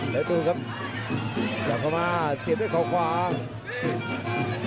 แล้วดูครับจับเข้ามาเสียบด้วยเขาขวา